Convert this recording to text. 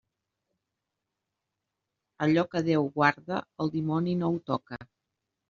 Allò que Déu guarda, el dimoni no ho toca.